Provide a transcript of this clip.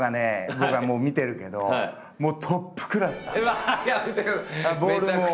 僕は見てるけどもうトップクラスだね。